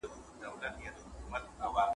له حاصله یې د سونډو تار جوړیږي `